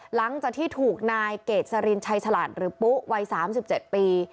หลังจากที่ถูกนายเกษรินชัยฉลาดหรือปุ๊วัย๓๗ปี